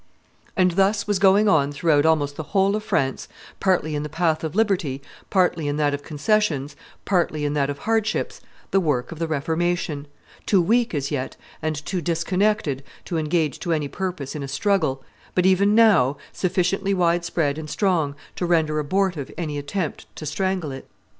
] And thus was going on throughout almost the whole of France, partly in the path of liberty, partly in that of concessions, partly in that of hardships, the work of the Reformation, too weak as yet and too disconnected to engage to any purpose in a struggle, but even now sufficiently wide spread and strong to render abortive any attempt to strangle it.